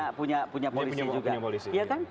polisi juga oh punya polisi iya kan